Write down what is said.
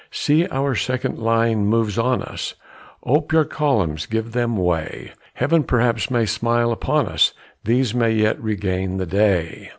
See, our second line moves on us, Ope your columns, give them way, Heaven perhaps may smile upon us, These may yet regain the day.